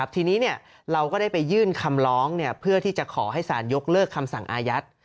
ทีนี้เราก็ได้ไปยื่นคำร้องเพื่อที่จะขอให้สารยกเลิกคำสั่งอายัด